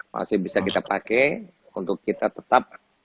masih bisa kita pakai untuk kita tetap